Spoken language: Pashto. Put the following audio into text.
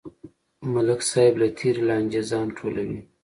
ملک صاحب له تېرې لانجې ځان ټولوي.